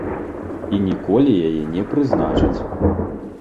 І ніколі яе не прызначаць.